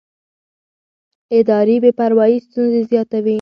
اداري بې پروایي ستونزې زیاتوي